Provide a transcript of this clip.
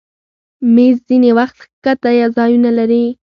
مېز ځینې وخت ښکته ځایونه لري.